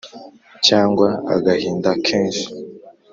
cyangwa agahinda kenshi